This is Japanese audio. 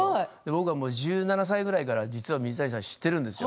僕は１７歳くらいから実は水谷さんを知ってるんです。